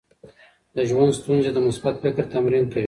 د ژوند ستونزې د مثبت فکر تمرین کوي.